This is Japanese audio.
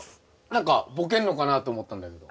何かボケんのかなと思ったんだけど。